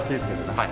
はい。